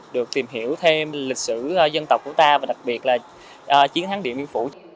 được tìm hiểu thêm lịch sử dân tộc của ta và đặc biệt là chiến thắng điện biên phủ